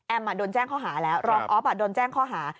โดนแจ้งข้อหาแล้วรองออฟโดนแจ้งข้อหา